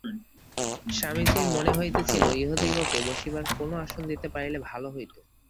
স্বামীজীর মনে হইতেছিল ইহাদিগকে বসিবার কোন আসন দিতে পারিলে ভাল হইত।